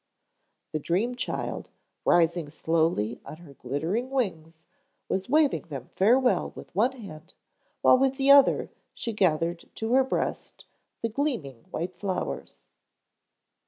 The dream child, rising slowly on her glittering wings, was waving them farewell with one hand, while with the other she gathered to her breast the gleaming white flowers.